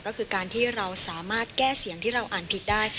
ก็คือการที่เราสามารถแก้เสียงที่เราอ่านผิดได้